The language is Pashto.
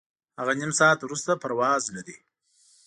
هغه نیم ساعت وروسته پرواز لري.